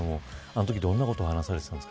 どんなことを話されていたんですか。